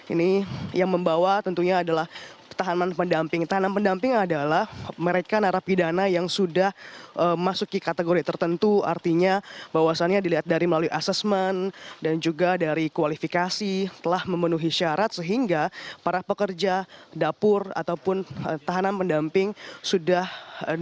ini yang membawa tentunya adalah tahanan mendamping tahanan mendamping adalah mereka narapidana yang sudah masuki kategori tertentu artinya bahwasannya dilihat dari melalui asesmen dan juga dari kualifikasi telah memenuhi syarat sehingga para pekerja dapur ataupun tahanan mendamping sudah dinyatakan